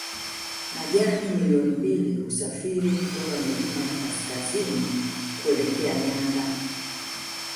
Majani milioni mbili husafiri kutoka milima ya kaskazini kuelekea nyanda